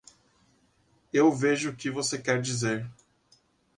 Eu vejo o que você quer dizer.